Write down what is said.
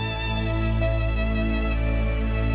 pak kapta service ke